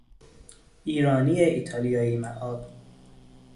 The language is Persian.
ایرانی ایتالیایی ماب